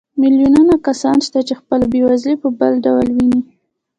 میلیونونه کسان شته چې خپله بېوزلي په بل ډول ویني